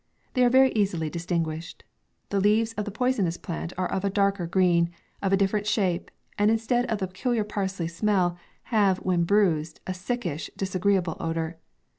They are very easily distinguished. The leaves of the poisonous plant are of a darker green, of a different shape, and instead of the pecu liar parsley smell, have, when bruised, a sick ish, disagreeable odour.